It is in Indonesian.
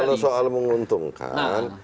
kalau soal menguntungkan